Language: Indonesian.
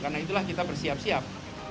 karena itulah kita bersiap siap